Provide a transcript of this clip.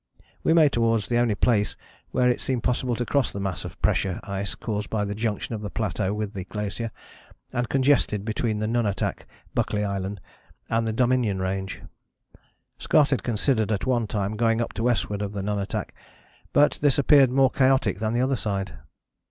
"We made towards the only place where it seemed possible to cross the mass of pressure ice caused by the junction of the plateau with the glacier, and congested between the nunatak [Buckley Island] and the Dominion Range. Scott had considered at one time going up to westward of the nunatak, but this appeared more chaotic than the other side.